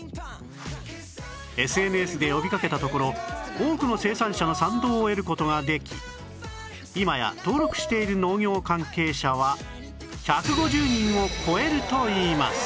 ＳＮＳ で呼びかけたところ多くの生産者の賛同を得る事ができ今や登録している農業関係者は１５０人を超えるといいます